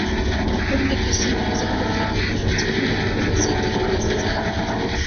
Публіка сем разоў выклікала акцёраў і кампазітара на сцэну.